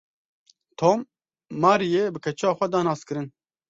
Tom, Maryê bi keça xwe da naskiririn.